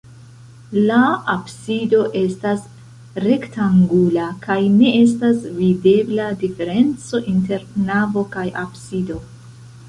La absido estas rektangula kaj ne estas videbla diferenco inter navo kaj absido.